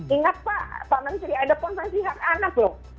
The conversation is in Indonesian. ingat pak menteri ada konvensi hak anak loh